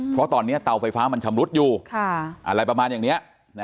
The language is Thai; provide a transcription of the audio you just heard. เพราะตอนนี้เตาไฟฟ้ามันชำรุดอยู่อะไรประมาณอย่างนี้